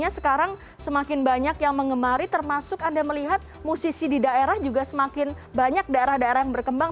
sekarang semakin banyak yang mengemari termasuk anda melihat musisi di daerah juga semakin banyak daerah daerah yang berkembang